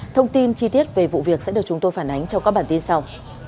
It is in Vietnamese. thông tin chi tiết về vụ việc sẽ được chúng tôi phản ánh trong các bản tin sau